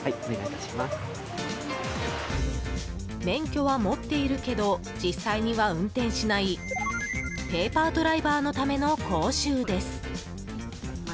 免許は持っているけど実際には運転しないペーパードライバーのための講習です。